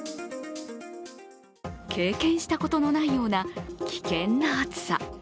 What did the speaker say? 経験したことのないような危険な暑さ。